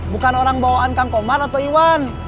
bukan orang bawaan kang komar atau iwan